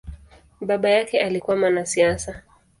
Baba yake alikua mwanasiasa.